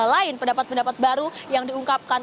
lain pendapat pendapat baru yang diungkapkan